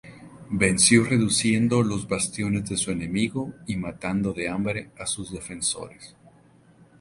Venció reduciendo los bastiones de su enemigo y matando de hambre a sus defensores.